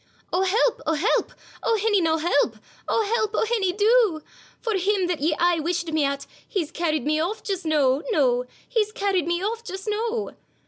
'O, help! O, help! O, hinny, noo, help! O, help! O, hinny, do! For him that ye aye wished me at, He's carryin' me off just noo, noo; He's carryin' me off just noo.